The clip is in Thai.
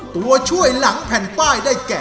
ตัวช่วยหลังแผ่นป้ายได้แก่